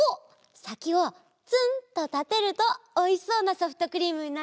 さきをツンとたてるとおいしそうなソフトクリームになるよ。